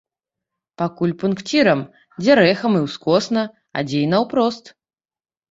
Пакуль пункцірам, дзе рэхам і ўскосна, а дзе і наўпрост.